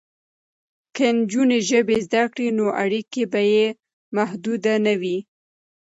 که نجونې ژبې زده کړي نو اړیکې به یې محدودې نه وي.